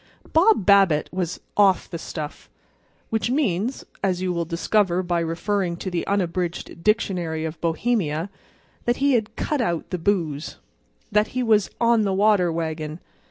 Bob Babbitt was "off the stuff." Which means—as you will discover by referring to the unabridged dictionary of Bohemia—that he had "cut out the booze;" that he was "on the water wagon."